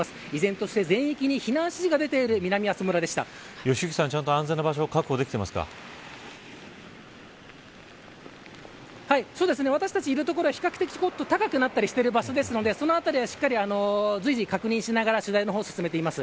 依然として全域に避難指示が良幸さんはちゃんと私たちがいる所は比較的高くなったりしている場所なのでそのあたりは随時、確認しながら取材の方を進めています。